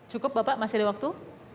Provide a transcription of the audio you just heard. cukup bapak masih ada waktu